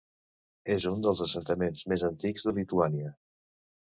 És un dels assentaments més antics de Lituània.